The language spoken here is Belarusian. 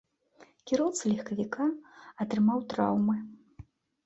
Кіроўца легкавіка атрымаў траўмы.